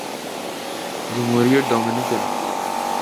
جمہوریہ ڈومینیکن